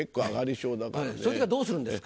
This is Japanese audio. そういう時はどうするんですか？